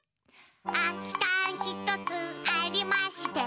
「あきかん１つありまして」